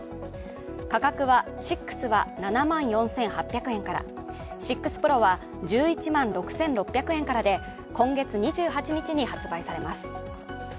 価格は６は７万４８００円から６Ｐｒｏは１１万６６００円からで今月２８日に発売されます。